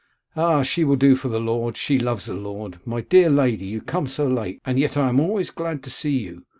'Ah! she will do for the lord; she loves a lord. My dear lady, you come so late, and yet I am always so glad to see you.